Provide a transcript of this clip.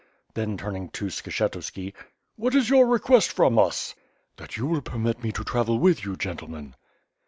Then, turning to Skshetuski: "What is your request from us?" "That you will permit me to travel with you, gentlemen."